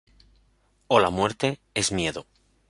O la muerte es miedo.